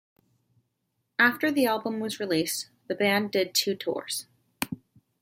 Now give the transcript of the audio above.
After the album was released, the band did two tours.